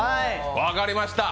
分かりました。